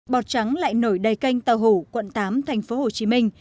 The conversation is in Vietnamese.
bọt trắng lại nổi đầy canh tàu hủ quận tám tp hcm